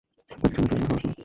তার পেছনে ফেরারও সাহস নেই।